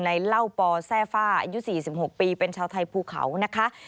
เล่าปอแซ่ฟ่าอายุ๔๖ปีเป็นชาวไทยภูเขานะคะ